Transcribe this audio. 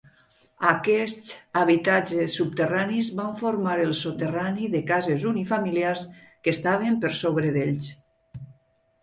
Aquests habitatges subterranis van formar el soterrani de cases unifamiliars que estaven per sobre d'ells.